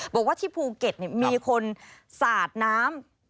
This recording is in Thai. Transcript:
บอกว่าที่ภูเก็ตมีคนสาดน้ำ